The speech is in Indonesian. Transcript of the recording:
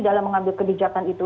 dalam mengambil kebijakan itu